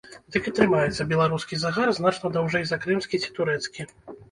Ды і трымаецца беларускі загар значна даўжэй за крымскі ці турэцкі.